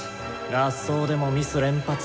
合奏でもミス連発。